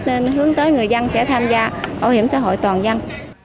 nên hướng tới người dân sẽ tham gia bảo hiểm xã hội toàn dân